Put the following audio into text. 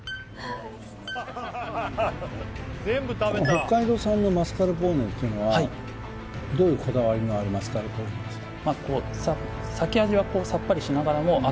北海道産のマスカルポーネっていうのはどういうこだわりのあるマスカルポーネですか？